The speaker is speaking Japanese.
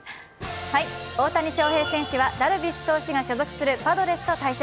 大谷翔平選手はダルビッシュ投手が所属するパドレスと対戦。